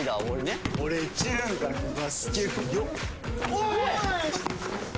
おい！